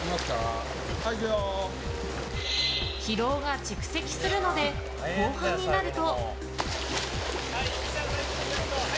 疲労が蓄積するので後半になると。